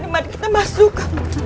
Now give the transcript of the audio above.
mari kita masuk